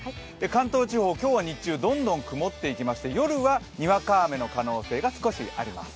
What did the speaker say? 関東地方、今日は日中どんどん曇ってきまして夜はにわか雨の可能性が少しあります。